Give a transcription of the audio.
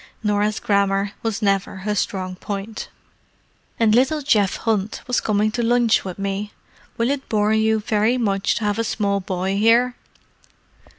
Norah's grammar was never her strong point. "And little Geoff Hunt was coming to lunch with me. Will it bore you very much to have a small boy here?"